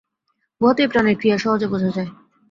উহাতেই প্রাণের ক্রিয়া সহজে বোঝা যায়।